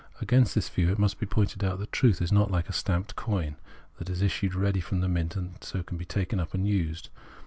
Against that view it must be pointed out, that truth is not like stamped coin* that is issued ready from the mint and so can be taken up and used.